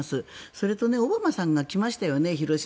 それとオバマさんが広島に来ましたよね。